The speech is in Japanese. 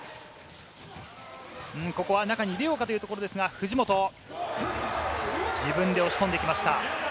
ここは中に入れようかというところですが藤本、自分で押し込んでいきました。